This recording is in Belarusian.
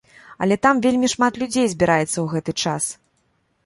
Але там вельмі шмат людзей збіраецца ў гэты час.